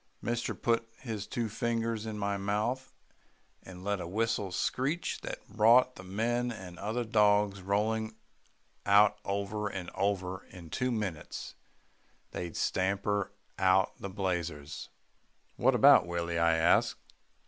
Mister put his two fingers in his mouth and let a whistle screech that brought the men and other dogs rolling out over and over, and in two minutes they'd stamped out the blazes." "What about Willie," I asked.